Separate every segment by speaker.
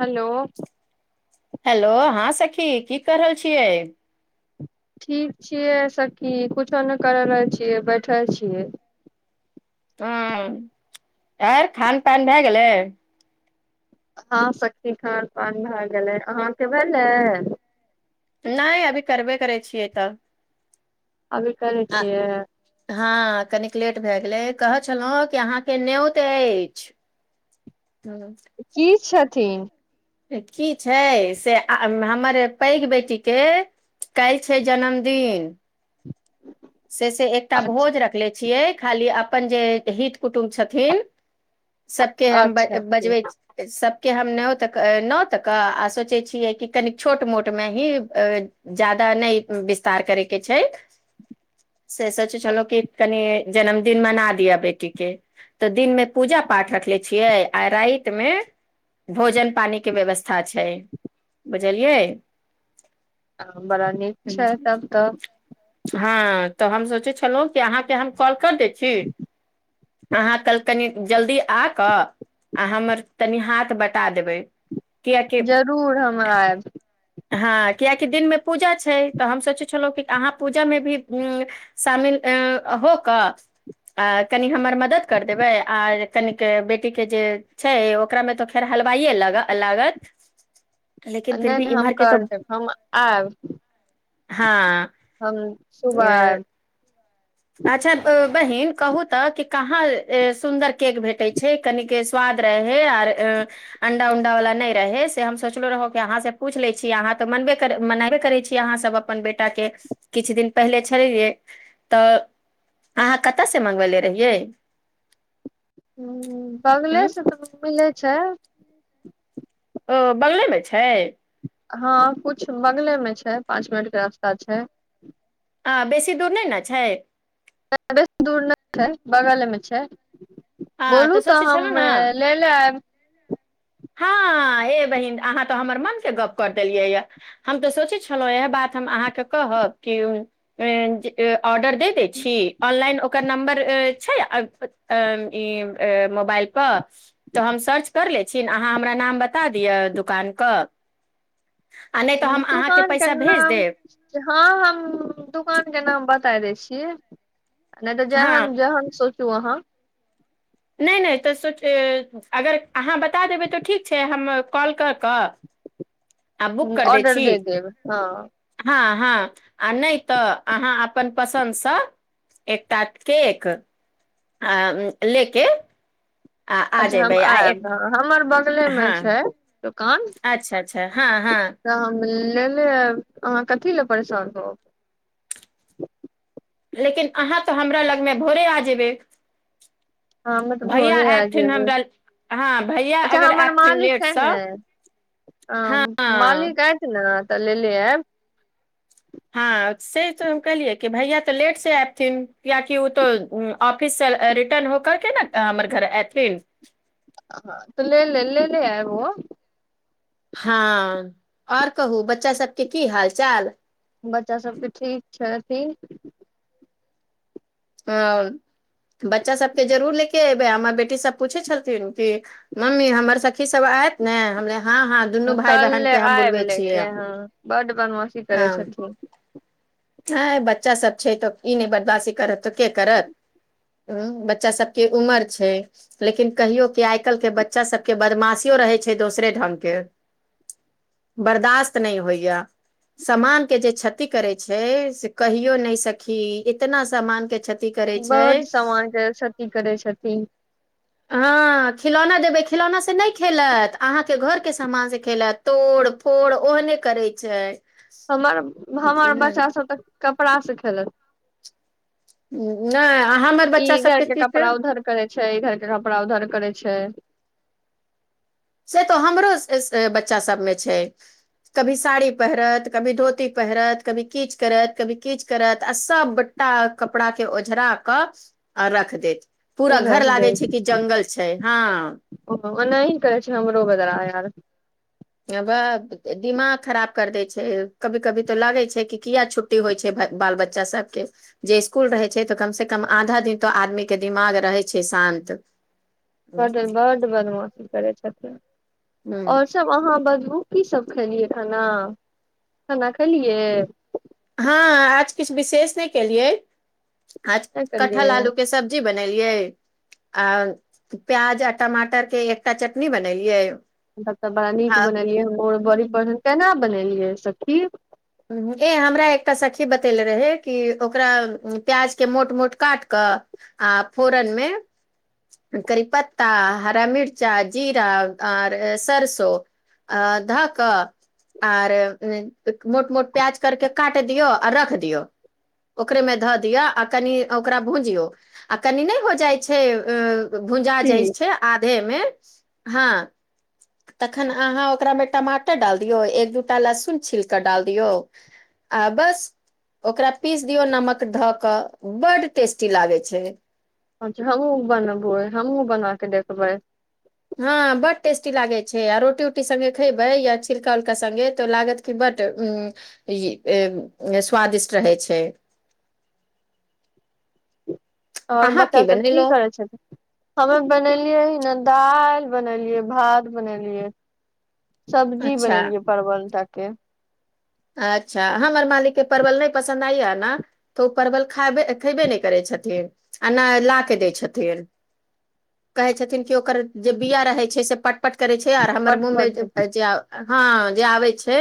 Speaker 1: hello
Speaker 2: hello हँं सखी की कऽ रहल छियै
Speaker 1: ठीक छियै सखी कुछो नहि करय रहल छियै बैठैल छियै
Speaker 2: ह आर खान पान भए गेलै
Speaker 1: हँ सखी खान पान भए गेलै अहाँके भेलै
Speaker 2: नइ अभी करबे करै छियै तऽ
Speaker 1: अभी करै
Speaker 2: आ
Speaker 1: छियै
Speaker 2: हँ कनिक लेट भए कहै छलहुँ कि अहाँके न्यौत अछि हम्म,
Speaker 1: की छै थिन
Speaker 2: की छै से हमर पैघ बेटीके काल्हि छै जन्मदिन से से एकटा
Speaker 1: अच्छ-
Speaker 2: भोज रखले छियै खाली अपन जे हित कुटुम्ब छथिन सबके हम बज
Speaker 1: अच्छा
Speaker 2: बजबै
Speaker 1: ठीक,
Speaker 2: सब के हम न तक न्योतक आ सोचै छियै कि कनि छोट मोटमे ही जादा नइ विस्तार करयके छै से सोचै छलौ कि कनि जन्मदिन मना दिया बेटी के तऽ दिन मे पूजा पाठ रखले छियै आ राति मे भोजन पानी के व्यवस्था छै बुझलियै
Speaker 1: आ बड़ा नीक छै तब तऽ
Speaker 2: त हम सोचै छलहुँं अहाँके हम कॉल क दै छी अहाँ कल् कनि जल्दी आ कऽ आ हमर तनि हाथ बटा देबय
Speaker 1: जरूर हम आयब
Speaker 2: हँ कियकि दिनमे पूजा छै तऽ हम सोचै छलहुँ कि अहाँ पूजामे भी शामिल हो कऽ आ कनि हमर मदद कर देबै आ कनिक बेटीके जे छै ओकरामे तऽ खैर हलवाइए ल लागत लेकिन फिरी
Speaker 1: नहि
Speaker 2: भी
Speaker 1: नहि
Speaker 2: इम्हर
Speaker 1: हम
Speaker 2: के तो
Speaker 1: कर देब हम आयब
Speaker 2: हँ
Speaker 1: हम सुबह आयब
Speaker 2: अच्छा बहीन कहू तऽ कि कहाँ सुन्दर केक भेटैत छै कनिक स्वाद रहै आर अण्डा उण्डावला नहि रहै से हम सोचलहुँ रहौ कि अहाँसँ पूछि लैत छी अहाँ तऽ मनबे कर मनाबे करै छी अहाँसभ अपन बेटाके किछु दिन पहिले छलैैहे तऽ अहाँ कतयसँ मंगबेले रहिये
Speaker 1: ह बगले से तऽ मिलै छै
Speaker 2: ओ बंगलेमे छै
Speaker 1: हँ कुछ बगलेमे छै पाँच मिनटके रस्ता छै
Speaker 2: आ बेसी दूर नहि न छै
Speaker 1: बेसी दूर नहि छै बगलमे छै
Speaker 2: आ
Speaker 1: बोलू तऽ
Speaker 2: सोचै
Speaker 1: हम
Speaker 2: छलहुँ ने
Speaker 1: ले ले आयब
Speaker 2: हँ हे बहिन अहाँ तऽ हमर मनके गप्प कर देलियै ह हम तऽ सोचै छलहुँ इएह बात हम अहाँके कहब कि अ जे अ ऑर्डर दे दै छी ऑनलाइन ओकर नम्बर छै अ इ अ मोबाइल पर तऽ हम सर्च कर ले अहाँ हमरा नाम बता दिय दुकान क
Speaker 1: दुकान के नाम
Speaker 2: देब
Speaker 1: हँ हम दुकान के नाम बात ताय दै छी नहि तऽ जेहन
Speaker 2: हँ
Speaker 1: जेहन सोच त अहाँ
Speaker 2: नहि नहि तऽ सो अगर अहाँ बता देबै तऽ ठीक छै हम कॉल कऽ कऽ आ आ बुक कर दै
Speaker 1: ऑर्डर
Speaker 2: छी
Speaker 1: दे देब हँ
Speaker 2: हँ हाँ आ नै त अहाँ अप्पन पसंद स एकटा केक आ लेके
Speaker 1: अच्छा हम आयब हमर ब लमे
Speaker 2: हँ
Speaker 1: छै दोकान
Speaker 2: अच्छा अच्छा हँ हँ
Speaker 1: लेने अएब अहाँ कथि ला परेशान होब
Speaker 2: लेकिन अहाँ तऽ हमरा लगमे भोरे आ जेबै
Speaker 1: हमे तऽ
Speaker 2: भैया
Speaker 1: भोरे आ
Speaker 2: एयथिन
Speaker 1: जेबै
Speaker 2: हमरा हँ भैया
Speaker 1: अच्छा
Speaker 2: अगर
Speaker 1: हमर
Speaker 2: एयथिन
Speaker 1: मालिक हइ
Speaker 2: लेटसँ
Speaker 1: ने ह
Speaker 2: हँ
Speaker 1: मालिक आयत ने तऽ लेले आएब्
Speaker 2: हँ से तऽ हम कहलियै कि भैया तऽ लेट से एथिन कियाकि ओ तऽ उ ऑफिस से रिटर्न होकरके न हमर घर ऐथिन
Speaker 1: ह तऽ ले ले ले ले आएब ओ
Speaker 2: हँ आओर कहू बच्चा सभके की हाल चाल
Speaker 1: बच्चा सबके ठीक छथि
Speaker 2: ह बच्चा सभके जरूर ले कऽ अयबै हमर बेटीसभ पूछै छथिन कि मम्मी हमर सखीसभ आयत ने हमरा
Speaker 1: कल ले आयब ले
Speaker 2: छियै
Speaker 1: क हँ बड्ड बदमाशी करै छथुन
Speaker 2: ह बच्चा सब छै तऽ ई नहि बदमाशी करत तके करत ह बच्चा सबके उमर छै लेकिन कहियो कि आइ काल्हि के बच्चा सबके बदमाशियो रहे छै दोसरे ढंग के बर्दाश्त नहि होइया समान के जे क्षति करे हय से कहीयौ नहि सखी इतना समान के करै
Speaker 1: बड
Speaker 2: छै
Speaker 1: समानके क्षती करै छथि
Speaker 2: हँ खिलौना देबै खिलौना से नहि खेलत अहाँके घरके समान से खेलत तोड़ फोड़ ओहने करैत छै
Speaker 1: हमर भौ आओर
Speaker 2: नहि
Speaker 1: बचा सब त कपड़ा से खेलत
Speaker 2: नहि आ हमर
Speaker 1: ई
Speaker 2: बच्चा सभ
Speaker 1: इधर
Speaker 2: तऽ
Speaker 1: के
Speaker 2: ठीक
Speaker 1: कपड़ा उधर करे छै इधर के कपड़ा उधर करै छै
Speaker 2: से तऽ हमरो बच्चा सभमे छै कभी साड़ी पहिरत कभी धोती पहिरत कभी किछ करत कभी किछ करत आ सभटा कपड़ाके ओझरा कऽ आ रख देत पूरा घर
Speaker 1: रख दे
Speaker 2: लागै छै कि जंगल छै हँ
Speaker 1: ओनाही करे छै हमरो बजार यार
Speaker 2: हे बक दिमाग खराब कर दै छै कभी कभी तऽ लागै छै कि किया छुट्टी होइ छै बाल बच्चा सभके जे इसकुल रहै छै तऽ कमस कम आधा दिन तऽ आदमीके दिमाग रहै छै शान्त ह
Speaker 1: बड बड बदमाशी करै छथि ओर सब अहाँ बस उ की सब खेलियै खाना खाना खेलियै
Speaker 2: हँ आज किछु विशेष नहि केलियै आज
Speaker 1: नहि
Speaker 2: कठल
Speaker 1: खेलियै
Speaker 2: आलू के सब्जी बनेलिये आओर प्याज आ टमाटर के एकटा चटनी बनेलिये
Speaker 1: तब त बड़ा नीक बनेलियै बोर बड़ी पर
Speaker 2: हम्म,
Speaker 1: केना बनेलियै सखी
Speaker 2: ए हमरा एकटा सखी बतेेले रहय कि ओकरा प्याजके मोट मोट काट कऽ आ फोरनमे करी पत्ता हरा मिर्चा जीरा आर सरसो आ धऽ कऽ आर मोट मोट प्याज करके काटि दियौ आ रख दियौ ओकरेमे धऽ दिऔ आ कनि ओकरा भूजियौ आ कनि नहि हो जाइ छै अ अ भुजा
Speaker 1: की
Speaker 2: जाइ छै आधे मे हँ तखन अहाँ ओकरामे टमाटर डाल दियौ एक दूटा लहसुन छिल डाल दियौ आ बस ओकरा पीस दियौ नमक धऽ कऽ बड टेस्टी लागै छै
Speaker 1: अच्छा हमहुँ बनबै हमहूँ बना क देखबै
Speaker 2: हँ बड टेस्टी लागै छै आ रोटी उटी सङ्गे खयबै या छिलका उलका सङ्गे तऽ लागत क बड उ इ ए स्वादिष्ट रहै छै
Speaker 1: ओर
Speaker 2: अहाँ
Speaker 1: बच्चा सब की
Speaker 2: बनेलौ
Speaker 1: करे छथिन हमे बनेलियै हने दालि बनेलियै भात बनेलियै सब्जी
Speaker 2: अच्छा
Speaker 1: बनेलियै परवल तक के
Speaker 2: अच्छा हमर मालिकके परवल नहि पसन्द आइया ने तऽ ओ परवल खे खेबे नहि करै छथिन आ नहि ला केऽ दै छथिन कहै छथिन कि ओकर जे बिया रहै छै से पट पट करे छै आर हमर
Speaker 1: पट
Speaker 2: मुँह मे
Speaker 1: पट
Speaker 2: जेआ हँ जे आबै छै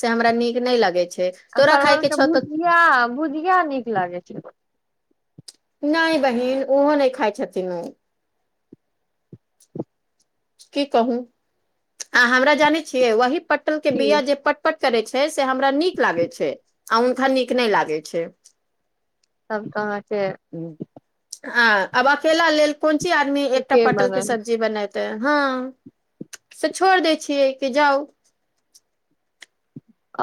Speaker 2: से हमरा नीक नहि लगै छै
Speaker 1: आ
Speaker 2: तोरा खायके
Speaker 1: परवलके
Speaker 2: छौ तऽ
Speaker 1: भुजिया भुजिया नीक लागै छै
Speaker 2: नहि बहिन ओहो नहि खाय छथिन ओ की कहू आ हमरा जानै छियै वही पटल के बीया
Speaker 1: ठीक
Speaker 2: जे पटपट करै छै से हमरा नीक लागै छै आ हुनका नीक नहि लागै छै
Speaker 1: सभकाज
Speaker 2: [inaudible] हँअ अब अकेला लेल कोन ची आदमी एकटा
Speaker 1: ठीके
Speaker 2: पटल के
Speaker 1: बनल
Speaker 2: सब्जी बनएबु तऽ हँ से छोड़ दै छियै कि जाउ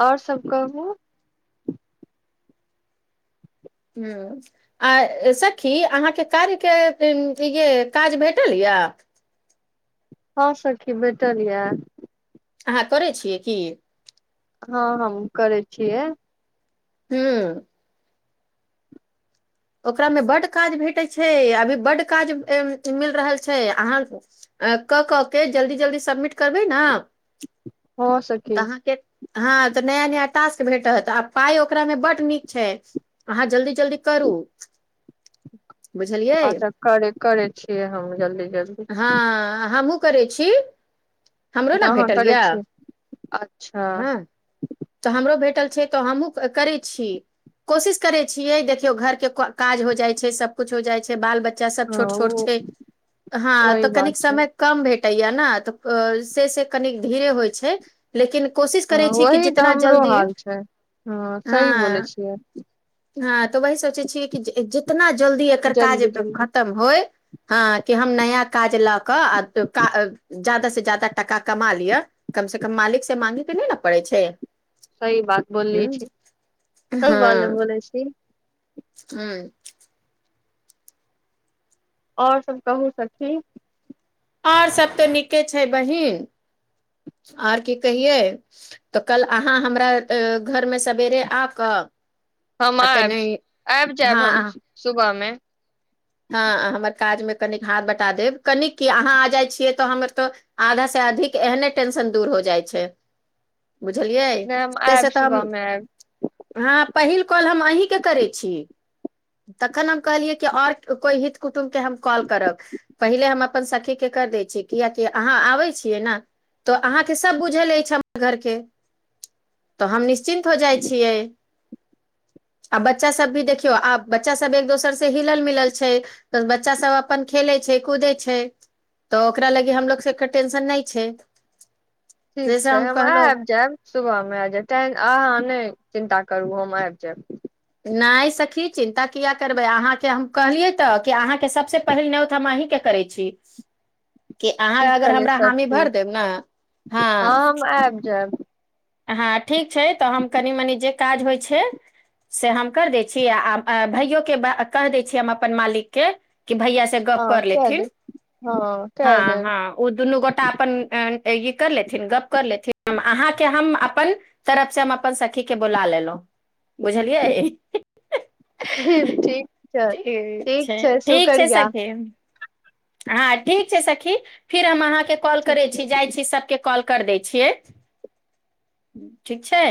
Speaker 1: आओर सब कहु
Speaker 2: हुँ आ सखी अहाँके कार्यके य जे काज भेटल यआ
Speaker 1: हँ सखी भेटल या
Speaker 2: अहाँ करै छियै की
Speaker 1: हँ हम करै छियै
Speaker 2: हुँ ओकरामे बड्ड काज भेटैत छै अभी बड्ड काज मिल रहल छै अहाँ कऽ कऽ के जल्दी जल्दी सबमिट करबै ना
Speaker 1: हँ सखी
Speaker 2: तऽआहाँके हँ नया नया टास्क भेटत आ पाइ ओकरा मे बड्ड नीक छै अहाँ जल्दी जल्दी करू बुझलियै
Speaker 1: अच्छा करै करै छियै हम जल्दी जल्दी
Speaker 2: हँ हमहूँ करै छी हमरो ने
Speaker 1: तऽ अहाँ
Speaker 2: भेटल
Speaker 1: करै
Speaker 2: यए
Speaker 1: छियै अच्छा
Speaker 2: हँ तऽ हमरो भेटल छै तऽ हमहूँ करै छी कोशिश करैत छियै देखियौ घरके काज हो जाइ छै सबकुछु हो जाइ छै बाल बच्चा बच्चा सब
Speaker 1: हँ
Speaker 2: छोट छोट
Speaker 1: ओ
Speaker 2: छै हँ
Speaker 1: वही
Speaker 2: तऽ
Speaker 1: बात
Speaker 2: कनिक
Speaker 1: छै
Speaker 2: समय कम भेट कटैय न तऽ से से कनी धीरे होइ छै लेकिन कोशिश करै
Speaker 1: हँ
Speaker 2: छी कि
Speaker 1: वही तऽ
Speaker 2: तना
Speaker 1: हमरो
Speaker 2: जल्दी ह
Speaker 1: हाल छै हँ सही बोलै छियै
Speaker 2: ह तऽ वही सोचै छियै कि जितना जल्दी एकर काज
Speaker 1: जल्दी जल्दी
Speaker 2: खतम होय हँ कि हम नया काज लऽ कऽ आ जादा से जादा टाका कमा लिअ कम से कम मालिक से मागेके नहि न पड़ै छै
Speaker 1: सही बात
Speaker 2: ह
Speaker 1: बोलली छी स बात बोल छी
Speaker 2: ह्म
Speaker 1: आओर सभ कहू सखी
Speaker 2: आओर सभ तऽ नीके छै बहिन आओर की कहियै तऽ कल अहाँ हमरा घरमे सवेरे आ कऽ
Speaker 1: हम
Speaker 2: आ
Speaker 1: आयब
Speaker 2: तनि
Speaker 1: आबि जायब हम
Speaker 2: हँ
Speaker 1: सुबह मे
Speaker 2: हँ हमर काजमे कनिक हाथ बँटा देब, कनिक कि अहाँ आ जाइ छियै तऽ हमर त आधाँ अधिक एहने टेंशन दूर हो जाइ छै बुझलियै
Speaker 1: नहि हम
Speaker 2: से से
Speaker 1: आयब
Speaker 2: तऽ
Speaker 1: सुबह
Speaker 2: हम
Speaker 1: मे आयब
Speaker 2: ह पहिल कॉल हम अहिके करै छी, तखन कहलिय कि आर कोइ हित कु तुम के हम कॉल करब पहिले हम अपन सखी के कर दै छियै कियकि अहाँ आबै छियै ने तऽ अहाँके सब बुझल अछि हमर घर के तऽ हम चिन्त हो जाइ छियै आ बच्चा सब भी देखियौ आब बच्चा सब एक दोसर से हिलल मिलल बच्चा सब अपन खेलै छै कूदै छै तऽ ओकरा लागी हमलोग सबके टेंशन नहि छै
Speaker 1: ठीक
Speaker 2: जैसे
Speaker 1: छै हम
Speaker 2: कहलहु
Speaker 1: आब जायब सुबहमे आ जायब त अहाँ नहि चिन्ता करू हम आबि जायब
Speaker 2: नहि सखी चिन्ता किया करबै अहाँ के हम कहलियै तऽ क अहाँ सबसँ पहिल न्योत हम आहिके करै छी कि अहाँ
Speaker 1: ठीक
Speaker 2: अगर
Speaker 1: कहलियै
Speaker 2: हमरा हामि
Speaker 1: सखी
Speaker 2: भरि देब ने हँ
Speaker 1: हम आबि जायब
Speaker 2: हँ ठीक छै तऽ हम कनी मनी जे काज होइ छै से हम कर दै छी आ भइयो के कहि दै छी हम अपन मालिकके कि भैया से गप
Speaker 1: हँ
Speaker 2: कर
Speaker 1: कै
Speaker 2: लेथिन
Speaker 1: देब हँ कै
Speaker 2: हँ
Speaker 1: देब
Speaker 2: हँ ओ दुनू गोटा अपन ऐ ई कर लेथिन गप कर लेथिन हम अहाँ के हम अपन तरफ से हम अपन सखी के बोला लेलहुँ बुझलियै
Speaker 1: ठीक छै
Speaker 2: ठीक छैय
Speaker 1: छै
Speaker 2: ठीक छैय
Speaker 1: शुक्रिया
Speaker 2: सखी हँ ठीक छै सखी फेर हम अहाँके के कौल
Speaker 1: ठीक
Speaker 2: करै
Speaker 1: छै
Speaker 2: छी जाइ छी सबके कौल कर दैय छियै ठीक छैय